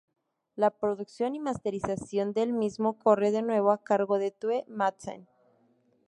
La producción y masterización del mismo corre de nuevo a cargo de Tue Madsen.